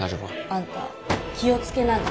あんた気を付けなね。